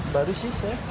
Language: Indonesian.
baru sih saya